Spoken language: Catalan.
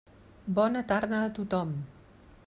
Bona tarda a tothom.